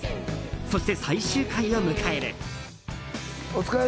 そして最終回を迎える。